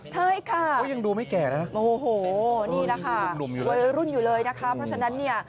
ใช่ค่ะยังดูไม่แก่นะโอ้โหนี่แหละค่ะวัยรุ่นอยู่เลยนะคะเพราะฉะนั้นเนี่ย